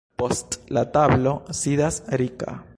Post la tablo sidas Rika.